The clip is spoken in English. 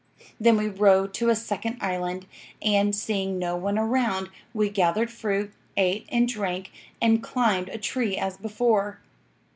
"'Then we rowed to a second island, and, seeing no one around, we gathered fruit, ate and drank, and climbed a tree as before.